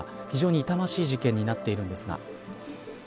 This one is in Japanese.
非常に痛ましい事件になっているんですが。